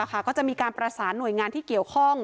ก็จะมีการประสานหน่วยงานที่เกี่ยวข้อง